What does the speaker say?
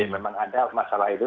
memang ada masalah itu